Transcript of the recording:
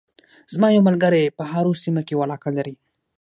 زما یو ملګری په هارو سیمه کې یوه علاقه لري